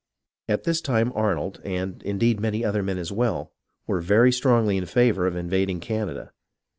At this time Arnold, and, indeed, many other men as well, were very strongly in favour of invading Canada.